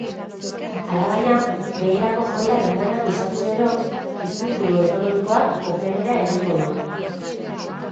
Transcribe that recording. Alabaina, beherako joera denboran luzatuz gero, testuinguru ekonomikoak okerrera egingo du.